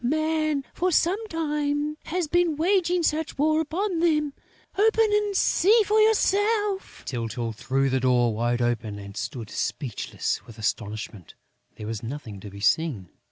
Man, for some time, has been waging such war upon them!... Open and see for yourself...." Tyltyl threw the door wide open and stood speechless with astonishment: there was nothing to be seen....